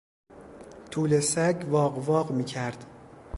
توله سگ واق واق میکرد.